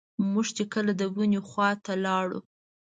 موږ چې کله د ونې خواته لاړو.